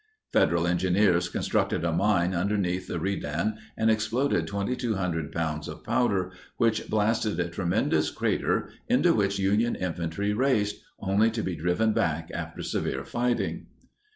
Federal engineers constructed a mine underneath the redan and exploded 2,200 pounds of powder, which blasted a tremendous crater into which Union infantry raced, only to be driven back after severe fighting.